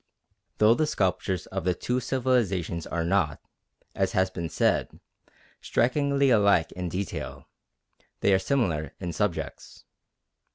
Though the sculptures of the two civilisations are not, as has been said, strikingly alike in detail, they are similar in subjects.